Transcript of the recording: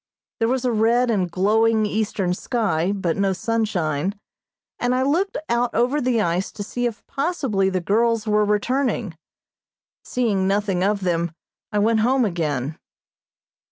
There was a red and glowing, eastern sky, but no sunshine, and I looked out over the ice to see if possibly the girls were returning. Seeing nothing of them, I went home again.